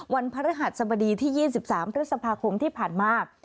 พระฤหัสสบดีที่๒๓พฤษภาคมที่ผ่านมา